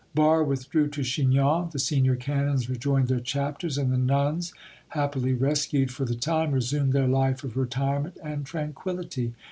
Barre withdrew to Chinon, the senior canons rejoined their chapters, and the nuns, happily rescued for the time, resumed their life of retirement and tranquillity.